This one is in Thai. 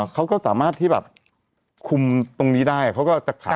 เขาก็สามารถที่แบบคุมตรงนี้ได้เขาก็จะขาย